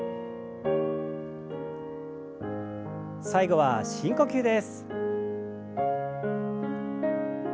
最後は深呼吸です。